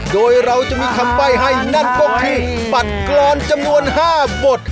โดยเราจะมีคำใบ้ให้นั่นก็คือปัดกรอนจำนวน๕บท